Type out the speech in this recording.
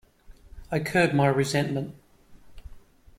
I curbed my resentment.